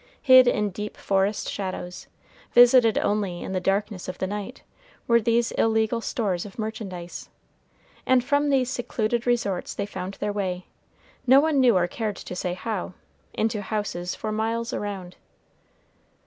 Hid in deep forest shadows, visited only in the darkness of the night, were these illegal stores of merchandise. And from these secluded resorts they found their way, no one knew or cared to say how, into houses for miles around.